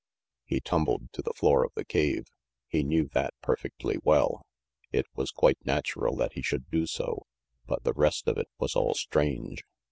He tumbled to the floor of the cave. He knew that perfectly well. It was quite natural that he should do so; but the rest of it was all strange.